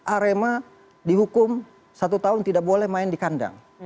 arema dihukum satu tahun tidak boleh main di kandang